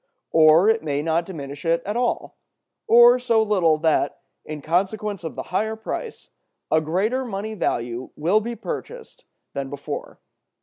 Or it may not diminish it at all, or so little that, in consequence of the higher price, a greater money value will be purchased than before.